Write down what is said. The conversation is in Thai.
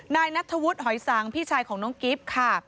นายนัทธวุฒิหอยสังพี่ชายของน้องกิฟต์ค่ะ